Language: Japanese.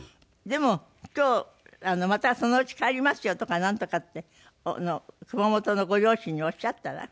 でも今日「またそのうち帰りますよ」とかなんとかって熊本のご両親におっしゃったら？